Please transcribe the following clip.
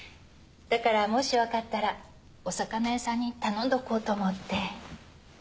だからもしわかったらお魚屋さんに頼んどこうと思って。